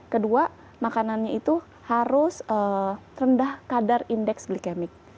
kedua makanannya itu harus rendah kadar indeks glikemik